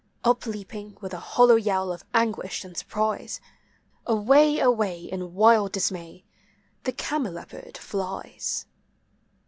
Up leaping with a hollow yell of anguish and surprise, Away, away, in wild dismay, the cameleopard flies.